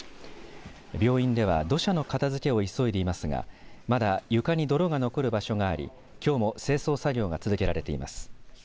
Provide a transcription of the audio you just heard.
病院では土砂の片づけを急いでいますがまだ床に泥が残る場所がありきょうも清掃作業が続けられています。